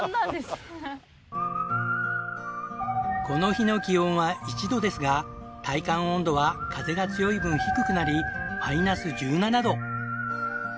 この日の気温は１度ですが体感温度は風が強い分低くなりマイナス１７度。